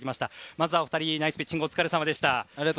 まずはお二人ナイスピッチングお疲れさまでした。